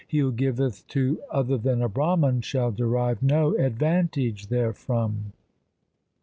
He who giveth to other than a Brahman shall derive no advantage therefrom.